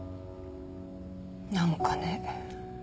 何かね。